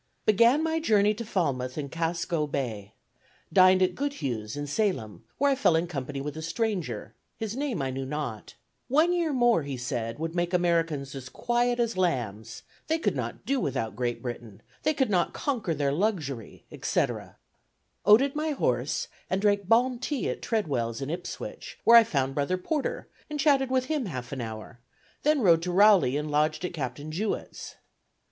"Began my journey to Falmouth in Casco Bay. ... Dined at Goodhue's, in Salem, where I fell in company with a stranger, his name I knew not. ... One year more, he said, would make Americans as quiet as lambs; they could not do without Great Britain, they could not conquer their luxury, etc. Oated my horse, and drank balm tea at Treadwell's in Ipswich, where I found Brother Porter, and chatted with him half an hour, then rode to Rowley and lodged at Captain Jewett's.